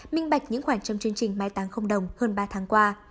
minh bạch những khoảng trăm chương trình mai tàng không đồng hơn ba tháng qua